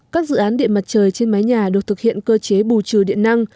các dự án điện mặt trời trên mái nhà được thực hiện cơ chế bù trừ điện năng